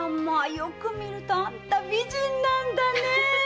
よく見るとあんた美人なんだねえ！